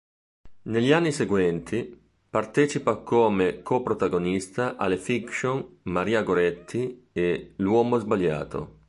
Negli anni seguenti, partecipa come co-protagonista alle fiction "Maria Goretti" e "L'uomo sbagliato".